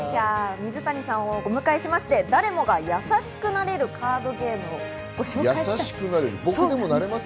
水谷さんをお迎えして誰もがやさしくなれるカードゲームをご紹介します。